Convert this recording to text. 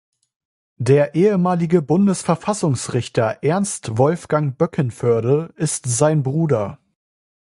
Der ehemalige Bundesverfassungsrichter Ernst-Wolfgang Böckenförde ist sein Bruder.